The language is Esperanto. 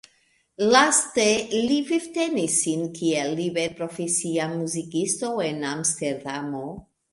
Laste li vivtenis sin kiel liberprofesia muzikisto en Amsterdamo.